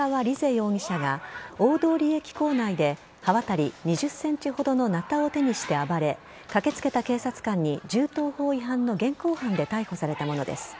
容疑者が大通駅構内で刃渡り２０ｃｍほどのなたを手にして暴れ駆けつけた警察官に銃刀法違反の現行犯で逮捕されたものです。